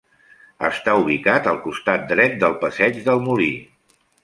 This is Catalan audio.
Està ubicat al costat dret del passeig del molí.